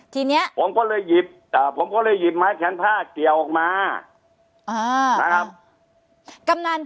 ทีนี้ผมก็เลยหยิบผมก็เลยหยิบไม้แขนผ้าเกี่ยวออกมานะครับ